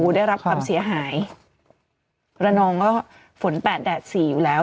ได้รับความเสียหายระนองก็ฝนแปดแดดสี่อยู่แล้ว